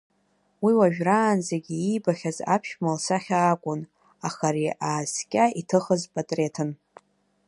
Уи уажәраанӡагьы иибахьаз иԥшәма лсахьа акәын, аха ари ааскьа иҭыхыз патреҭын.